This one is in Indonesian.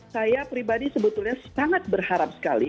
saya pribadi sebetulnya sangat berharap sekali